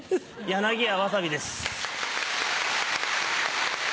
柳家わさびです。